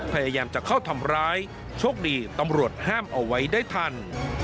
พยายามจะเข้าทำร้ายโชคดีตำรวจห้ามเอาไว้ได้ทัน